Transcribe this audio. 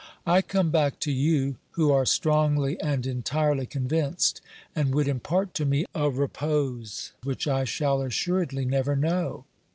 I come back 2 12 OBERMANN to you who are strongly and entirely convinced, and would impart to me a repose which I shall assuredly never know.